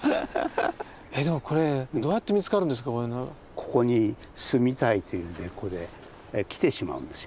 ここに住みたいというんで来てしまうんですよ